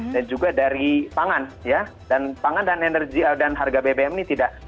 dan juga dari pangan ya dan pangan dan energi dan harga bbm ini tidak